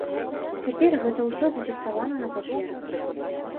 І цяпер гэта ўсё зафіксавана на паперы.